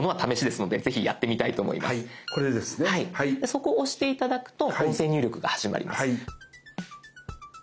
そこを押して頂くと音声入力が始まります。